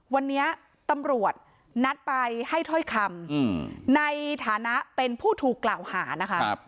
วันนี้ตำรวจนัดไปให้ถ้อยคำในฐานะเป็นผู้ถูกกล่าวหานะคะ